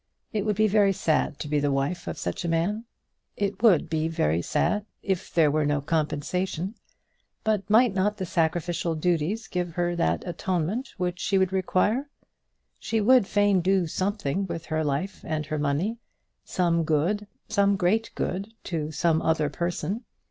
It would be very sad to be the wife of such a man; it would be very sad, if there were no compensation; but might not the sacrificial duties give her that atonement which she would require? She would fain do something with her life and her money, some good, some great good to some other person.